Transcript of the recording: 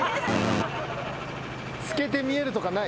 透けて見えるとかない？